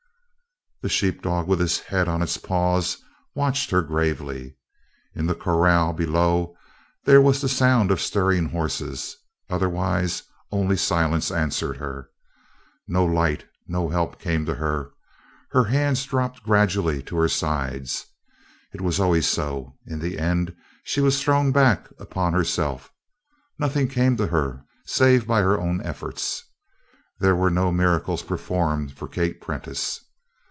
The sheep dog with his head on his paws watched her gravely. In the corral below there was the sound of stirring horses; otherwise only silence answered her. No light, no help came to her. Her hands dropped gradually to her sides. It was always so in the end she was thrown back upon herself. Nothing came to her save by her own efforts. There were no miracles performed for Kate Prentice.